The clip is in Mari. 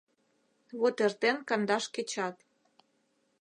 Вот эртен кандаш кечат